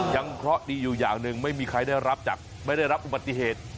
เคราะห์ดีอยู่อย่างหนึ่งไม่มีใครได้รับจากไม่ได้รับอุบัติเหตุ